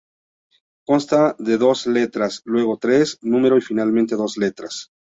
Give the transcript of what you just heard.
Consta de dos letras, luego tres números y finalmente dos letras.